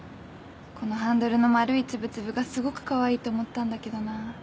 このハンドルの丸い粒々がすごくかわいいと思ったんだけどな。